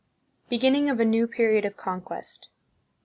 Beginning of a New Period of Conquest.